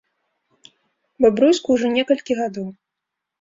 Бабруйску ўжо некалькі гадоў.